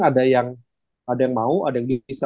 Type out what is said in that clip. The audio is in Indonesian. ada yang ada yang mau ada yang bisa